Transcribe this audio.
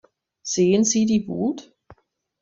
Sehen Sie die Wut.